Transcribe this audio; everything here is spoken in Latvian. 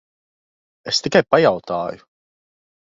Es tikai pajautāju.